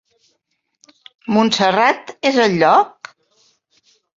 Montserrat és el lloc?